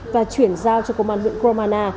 và chuyển giao cho công an huyện gromana